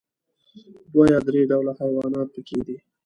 دوه یا درې ډوله حيوانات پکې دي.